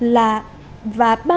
là và ba mươi ba